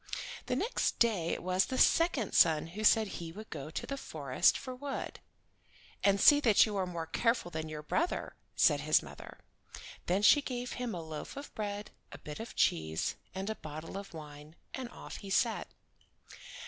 The next day it was the second son who said he would go to the forest for wood. "And see that you are more careful than your brother," said his mother. Then she gave him a loaf of bread, and a bit of cheese, and a bottle of wine, and off he set.